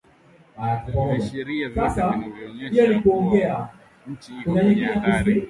Viashiria vyote vinaonyesha kuwa nchi iko kwenye hatari